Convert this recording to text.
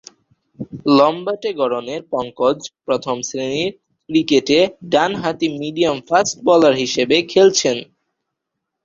লম্বাটে গড়নের পঙ্কজ প্রথম-শ্রেণীর ক্রিকেটে ডানহাতি মিডিয়াম ফাস্ট বোলার হিসেবে খেলছেন।